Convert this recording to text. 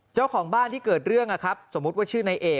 เจ้าของบ้านที่เกิดเรื่องสมมติว่าชื่อในเอก